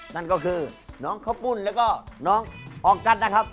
นั่นก็คือน้องข้าวปุ้นแล้วก็น้องออกัสนะครับ